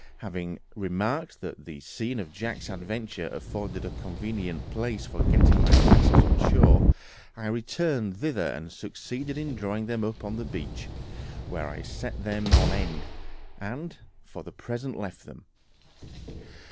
Having remarked that the scene of Jack's adventure afforded a convenient place for getting my casks on shore, I returned thither and succeeded in drawing them up on the beach, where I set them on end, and for the present left them.